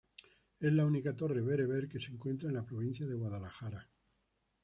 Es la única torre bereber que se encuentra en la provincia de Guadalajara.